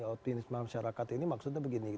optimisme masyarakat ini maksudnya begini